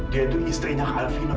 dia itu istrinya alvino